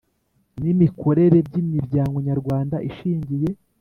n imikorere by Imiryango nyarwanda ishingiye